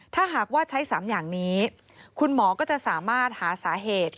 ถ้าหากว่าใช้๓อย่างนี้คุณหมอก็จะสามารถหาสาเหตุ